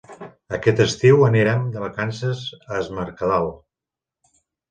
Aquest estiu anirem de vacances a Es Mercadal.